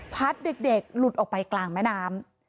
เด็กหลุดออกไปกลางแม่น้ำ